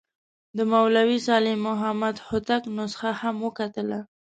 د مولوي صالح محمد هوتک نسخه هم وکتله.